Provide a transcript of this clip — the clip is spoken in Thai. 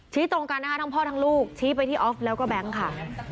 ตรงกันนะคะทั้งพ่อทั้งลูกชี้ไปที่ออฟแล้วก็แบงค์ค่ะ